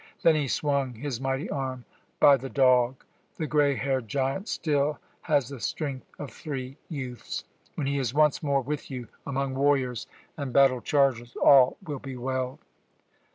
Then he swung his mighty arm. By the dog! The grey haired giant still has the strength of three youths. When he is once more with you, among warriors and battle chargers, all will be well."